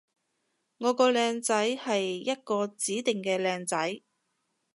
我個靚仔係一個指定嘅靚仔